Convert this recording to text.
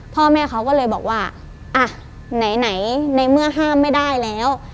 พ่อแม่เขาก็เลยบอกว่าอ่ะไหนในเมื่อห้ามไม่ได้แล้ว